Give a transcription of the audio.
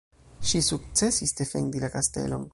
Ŝi sukcesis defendi la kastelon.